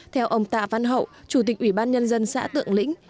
theo ông tạ văn hậu chủ tịch ủy ban nhân dân xã tượng lĩnh